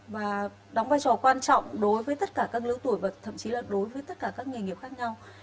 và đóng vai trò quan trọng đối với tất cả các lứa tuổi và thậm chí là đối với tất cả các nghề nghiệp khác nhau